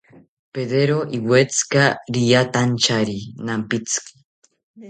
Pedero iwetzika riatantyari nampitziki